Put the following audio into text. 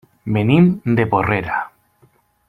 Venim de Porrera.